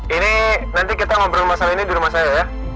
ini nanti kita ngobrol masalah ini di rumah saya ya